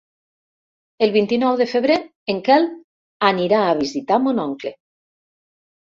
El vint-i-nou de febrer en Quel anirà a visitar mon oncle.